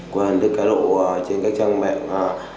qua hình thức cái độ trên các trang mạng